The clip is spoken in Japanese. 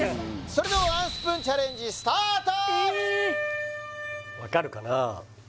それではワンスプーンチャレンジスタート！